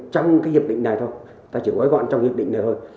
trong cái hiệp định này thôi ta chỉ gói gọn trong hiệp định này thôi